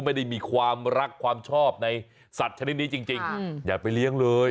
ไม่ได้มีความรักความชอบในสัตว์ชนิดนี้จริงอย่าไปเลี้ยงเลย